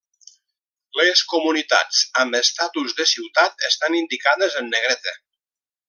Les comunitats amb estatus de ciutat estan indicades en negreta.